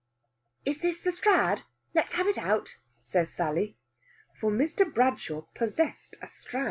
"Is this the Strad? Let's have it out," says Sally. For Mr. Bradshaw possessed a Strad.